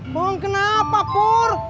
bohong kenapa pur